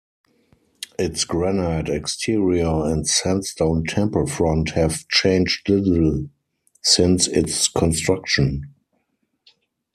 Its granite exterior and sandstone temple front have changed little since its construction.